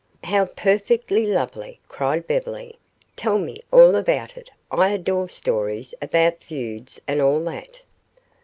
"How perfectly lovely," cried Beverly. "Tell me all about it. I adore stories about feuds and all that."